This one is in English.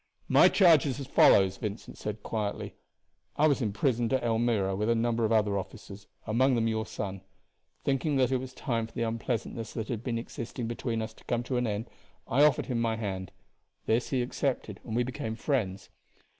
"My charge is as follows," Vincent said quietly: "I was imprisoned at Elmira with a number of other officers, among them your son. Thinking that it was time for the unpleasantness that had been existing between us to come to an end, I offered him my hand. This he accepted and we became friends.